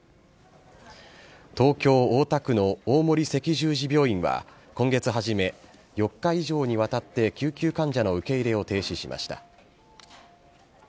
東京・大田区の大森赤十字病院は、今月初め、４日以上にわたって救急患者の受け入れを停止しました。